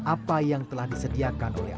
apa yang telah disediakan oleh